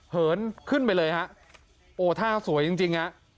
เหินขึ้นไปเลยฮะโอ้ท่าสวยจริงจริงฮะ